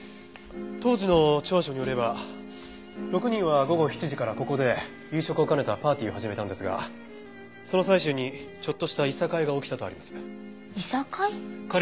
当時の調書によれば６人は午後７時からここで夕食を兼ねたパーティーを始めたんですがその最中にちょっとした諍いが起きたとあります。